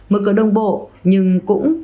mở cửa đồng bộ nhưng cũng dự phòng đồng bộ